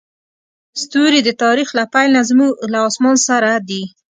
ستوري د تاریخ له پیل نه زموږ له اسمان سره دي.